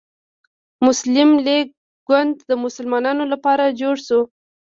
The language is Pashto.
مسلم لیګ ګوند د مسلمانانو لپاره جوړ شو.